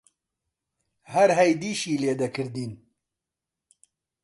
هەر هەیدیشی لێ دەکردین: